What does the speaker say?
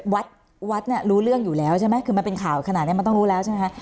วัดวัดเนี่ยรู้เรื่องอยู่แล้วใช่ไหมคือมันเป็นข่าวขนาดนี้มันต้องรู้แล้วใช่ไหมคะ